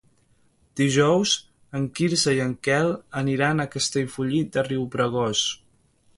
Dijous en Quirze i en Quel aniran a Castellfollit de Riubregós.